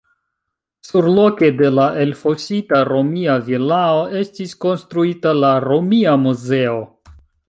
Surloke de la elfosita romia vilao estis konstruita la romia muzeo.